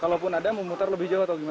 kalaupun ada memutar lebih jauh atau gimana